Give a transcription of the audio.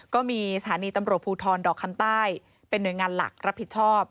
ก็มีสถานีตำรวจภูทรดอกคำใต้เป็นหน่วยงานหลักรับผิดชอบ